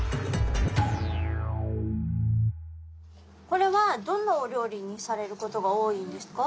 これはどんなお料理にされることが多いんですか？